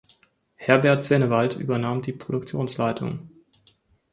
Herbert Sennewald übernahm die Produktionsleitung.